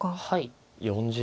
はい。